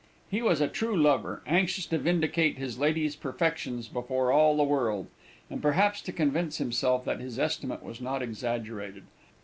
He was a true lover; anxious to vindicate his lady's perfections before all the world, and perhaps to convince himself that his estimate was not exaggerated.